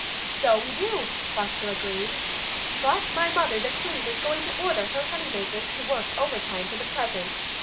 "So we do!" Buster agreed. "But my mother, the Queen, is going to order her honey makers to work overtime for the present.